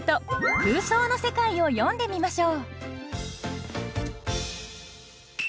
空想の世界を詠んでみましょう。